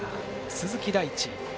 鈴木大地。